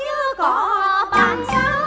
hình như có bạn xa